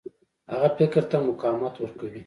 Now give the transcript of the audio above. هغه فکر ته مقاومت ورکوي.